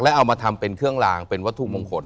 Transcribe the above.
เอามาทำเป็นเครื่องลางเป็นวัตถุมงคล